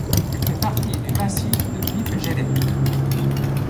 Elle fait partie du massif de Byfjellene.